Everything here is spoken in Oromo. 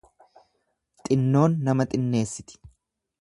Xinnoon nama xinneessiti.